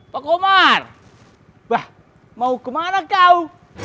pak omar mau kemana kau